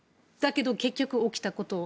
だけど結局、起きた。